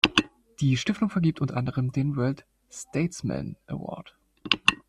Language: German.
Die Stiftung vergibt unter anderem den "World Statesman Award".